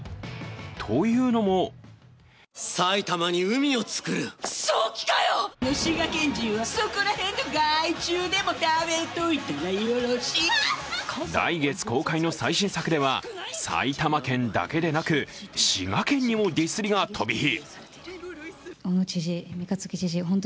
というのも来月公開の最新作では埼玉県だけでなく滋賀県にもディスりが飛び火。